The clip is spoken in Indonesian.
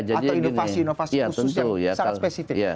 atau inovasi inovasi khususnya secara spesifik